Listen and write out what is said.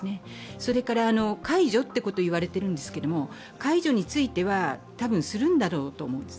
それから解除ということを言われてるんですが解除については多分、するんだろうと思います。